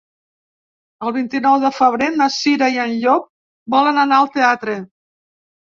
El vint-i-nou de febrer na Cira i en Llop volen anar al teatre.